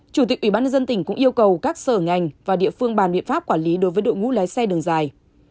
chủ tịch ủy ban nhân dân tỉnh cũng yêu cầu các sở ngành và địa phương bàn biện pháp quản lý đối với đội ngũ lái xe đường dài